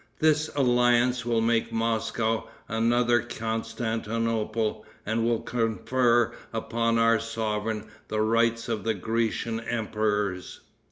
This alliance will make Moscow another Constantinople, and will confer upon our sovereign the rights of the Grecian emperors."